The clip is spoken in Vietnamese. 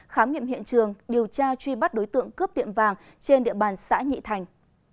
khám nghiệm hiện trường điều tra truy bắt đối tượng cướp tiệm vàng trên địa bàn xã nhị thành